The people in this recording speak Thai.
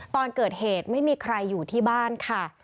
ตอนเกิดเหตุไม่มีใครอยู่ที่บ้านค่ะ